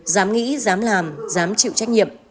dám nghĩ dám làm dám chịu trách nhiệm